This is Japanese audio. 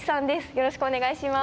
よろしくお願いします。